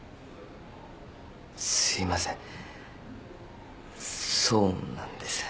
すいませんそうなんです。